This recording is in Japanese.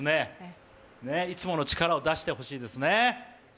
いつもの力を出してほしいですね。